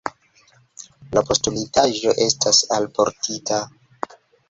La postulitaĵo estas alportita.